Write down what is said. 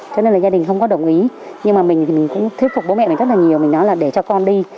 cho nên là gia đình không có đồng ý nhưng mà mình thì mình cũng thuyết phục bố mẹ này rất là nhiều mình nói là để cho con đi